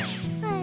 あ！